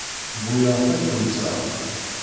Tewwi-aɣ tiṭ-nteɣ.